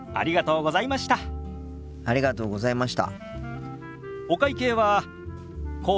ありがとうございます。